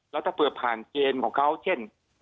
และถ้าเผื่อผ่านเจนของเจน